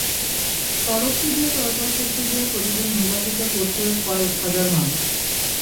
সড়কটি দিয়ে চলাচল করতে গিয়ে প্রতিদিন ভোগান্তিতে পড়ছে কয়েক হাজার মানুষ।